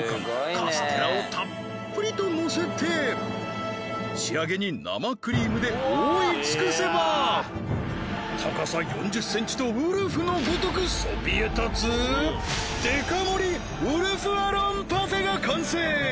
カステラをたっぷりとのせて仕上げに生クリームで覆い尽くせば高さ４０ｃｍとウルフのごとくそびえ立つデカ盛が完成